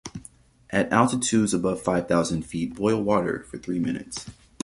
At altitudes above five thousand feet, boil water for three minutes.